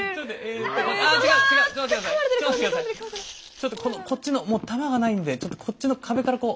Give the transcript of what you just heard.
ちょっとこのこっちのもう弾がないんでちょっとこっちの壁からこう。